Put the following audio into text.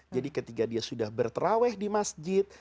jadi ketika dia sudah berteraweh di masjid